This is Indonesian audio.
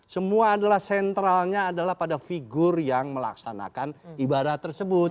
semua adalah sentralnya adalah pada figur yang melaksanakan ibadah tersebut